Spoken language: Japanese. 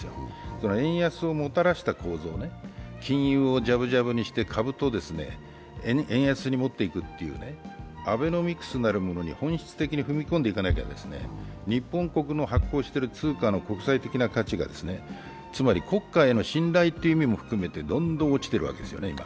その円安をもたらした構造、金融をジャブジャブにして株と円安にもっていくというアベノミクスなるものに本質的に踏み込んでいかないと、日本国の発行している通貨の国際的価値が、つまり国家への信頼という意味も含めてどんどん落ちてるわけです、今。